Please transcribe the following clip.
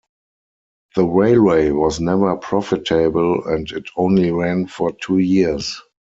The railway was never profitable and it only ran for two years.